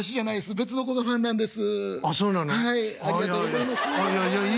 別の子がファンなんです」。